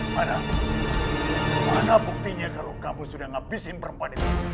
mana buktinya kalau kamu sudah menghabiskan perempuan itu